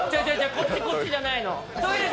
こっちこっち、じゃないの。